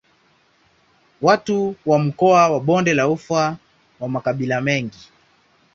Watu wa mkoa wa Bonde la Ufa ni wa makabila mengi.